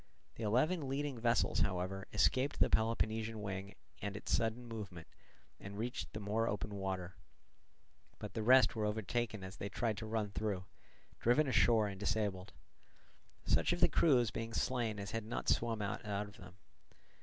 The eleven leading vessels, however, escaped the Peloponnesian wing and its sudden movement, and reached the more open water; but the rest were overtaken as they tried to run through, driven ashore and disabled; such of the crews being slain as had not swum out of them.